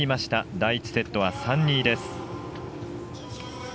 第１セットは３−２です。